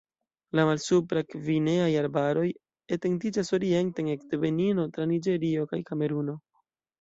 La malsupra-gvineaj arbaroj etendiĝas orienten ekde Benino tra Niĝerio kaj Kameruno.